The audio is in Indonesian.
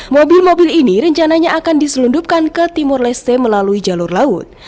mobil mobil ini rencananya akan diselundupkan ke timur leste melalui jalur laut